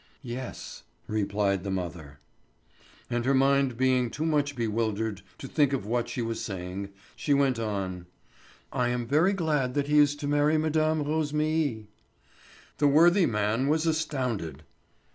"Yes," replied the mother. And her mind being too much bewildered to think of what she was saying, she went on: "I am very glad that he is to marry Mme. Rosémilly." The worthy man was astounded.